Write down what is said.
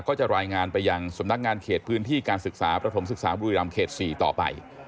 ก็จะรายงานไปยังสำนักงานเขตพื้นที่การศึกษาประถมศึกษาบุรีรำเขต๔ต่อไป